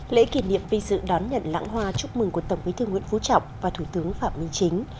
lễ kỷ niệm vi sự đón nhận lãng hoa chúc mừng của tổng bí thư nguyễn phú trọng và thủ tướng phạm minh chính